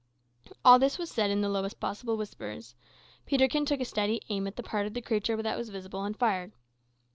All this was said in the lowest possible whispers. Peterkin took a steady aim at the part of the creature that was visible, and fired.